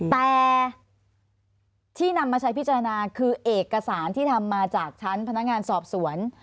แต่ที่นำมาใช้พิจารณาคือเอกสารที่ทำมาจากชั้นพนักงานสอบสวน